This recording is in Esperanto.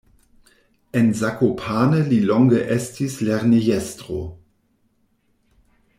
En Zakopane li longe estis lernejestro.